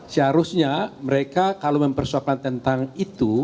seharusnya mereka kalau mempersoapkan tentang itu